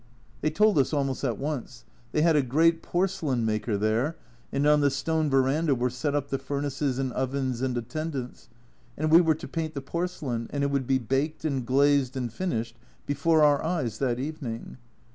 They told us almost at once. They had a great porcelain maker there, and on the stone verandah were set up the furnaces and ovens and attendants, and we were to paint the porcelain, and it would be baked and glazed and finished before our eyes that evening